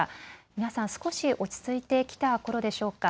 皆さん、少し落ち着いてきたころでしょうか。